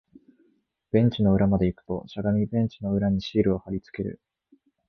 ベンチの裏まで行くと、しゃがみ、ベンチの裏にシールを貼り付ける